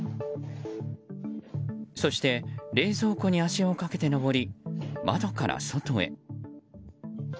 そして、冷蔵庫に足をかけて上り窓から外へ。